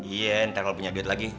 iya ntar kalau punya duit lagi